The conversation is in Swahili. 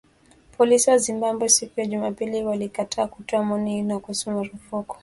Polisi wa Zimbabwe siku ya Jumapili walikataa kutoa maoni kuhusu marufuku